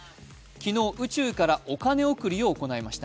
昨日、宇宙からお金贈りを行いました。